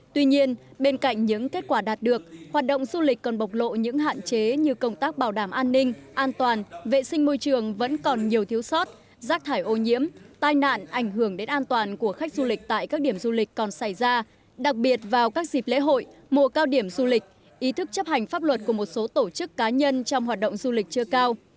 tuy nhiên bên cạnh những kết quả đạt được hoạt động du lịch còn bộc lộ những hạn chế như công tác bảo đảm an ninh an toàn vệ sinh môi trường vẫn còn nhiều thiếu sót rác thải ô nhiễm tai nạn ảnh hưởng đến an toàn của khách du lịch tại các điểm du lịch còn xảy ra đặc biệt vào các dịp lễ hội mùa cao điểm du lịch ý thức chấp hành pháp luật của một số tổ chức cá nhân trong hoạt động du lịch chưa cao